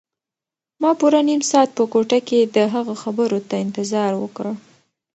ما پوره نیم ساعت په کوټه کې د هغه خبرو ته انتظار وکړ.